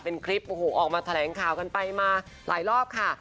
เป็นคลิปโอ้โหออกมาแถลงข่าวกันไปมาหลายรอบค่ะ